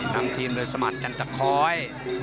นำทีมเลยสมาธิจันทคล้อย